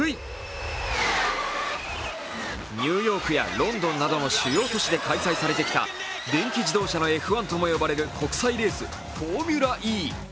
ニューヨークやロンドンなどの主要都市で行われてきた、電気自動車のＦ１とも呼ばれる国際レース、フォーミュラＥ。